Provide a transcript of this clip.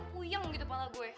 puyang gitu kepala gue